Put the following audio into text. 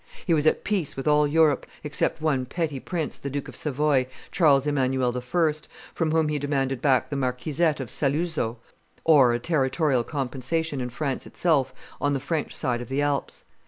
He was at peace with all Europe, except one petty prince, the Duke of Savoy, Charles Emmanuel I., from whom he demanded back the marquisate of Saluzzo, or a territorial compensation in France itself on the French side of the Alps.